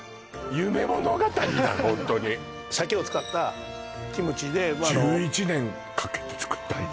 ホントに鮭を使ったキムチで１１年かけて作ったんだ？